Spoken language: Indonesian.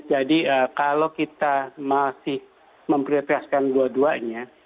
jadi kalau kita masih memprioriaskan dua duanya